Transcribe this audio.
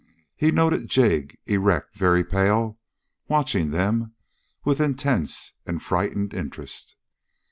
He noted Jig, erect, very pale, watching them with intense and frightened interest.